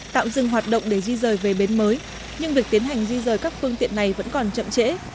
tạm dừng hoạt động để di rời về bến mới nhưng việc tiến hành di rời các phương tiện này vẫn còn chậm trễ